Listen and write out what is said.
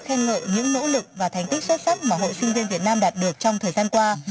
khen ngợi những nỗ lực và thành tích xuất sắc mà hội sinh viên việt nam đạt được trong thời gian qua